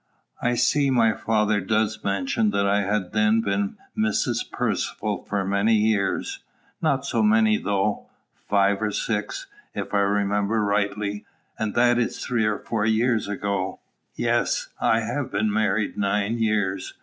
I see my father does mention that I had then been Mrs. Percivale for many years. Not so very many though, five or six, if I remember rightly, and that is three or four years ago. Yes; I have been married nine years.